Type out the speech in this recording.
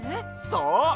そう！